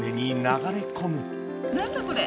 何だこれ。